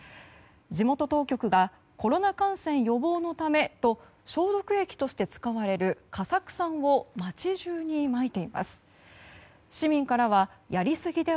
地元当局がコロナ感染予防のためと消毒液として使われる過酢酸を街中にまいています。